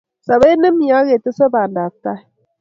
sobet emyee akatesei bandab tai